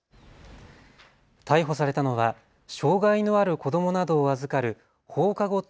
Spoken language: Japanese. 逮捕されたのは障害のある子どもなどを預かる放課後等